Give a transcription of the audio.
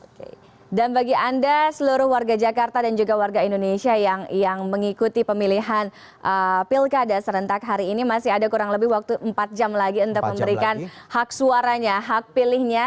oke dan bagi anda seluruh warga jakarta dan juga warga indonesia yang mengikuti pemilihan pilkada serentak hari ini masih ada kurang lebih waktu empat jam lagi untuk memberikan hak suaranya hak pilihnya